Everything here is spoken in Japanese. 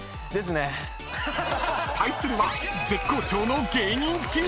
［対するは絶好調の芸人チーム］